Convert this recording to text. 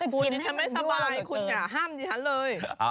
นี่ฉันไม่สบายคุณอย่าห้ามฉันเลย